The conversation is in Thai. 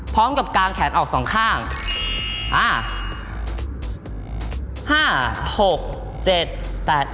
พร้อมกับกลางแขนออกสองข้างอ่า